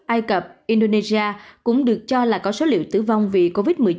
ai cập indonesia cũng được cho là có số liệu tử vong vì covid một mươi chín